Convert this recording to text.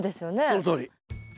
そのとおり。